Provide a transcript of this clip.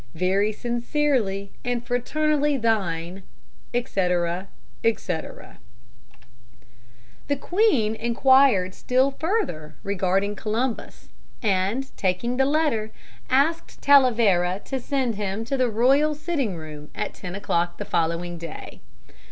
"Very sincerely and fraternally thine, "Etc., etc." The queen inquired still further regarding Columbus, and, taking the letter, asked Talavera to send him to the royal sitting room at ten o'clock the following day.